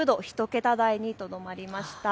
１桁台にとどまりました。